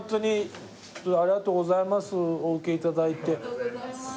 ありがとうございます